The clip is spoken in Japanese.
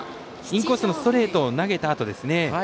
インコースのストレートを投げたあとですね。